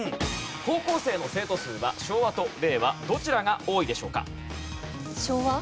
高校生の生徒数は昭和と令和どちらが多いでしょうか。